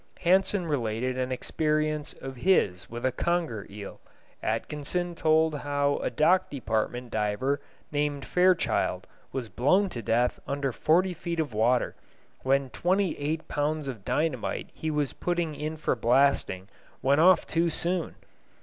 Hansen related an experience of his with a conger eel. Atkinson told how a Dock Department diver named Fairchild was blown to death under forty feet of water when twenty eight pounds of dynamite he was putting in for blasting went off too soon.